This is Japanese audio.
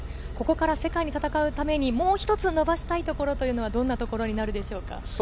ここから世界で戦うために、もう一つ伸ばしたいところはどんなところでしょうか。